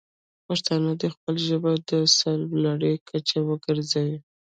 پښتانه دې خپله ژبه د سر لوړۍ کچه وګرځوي.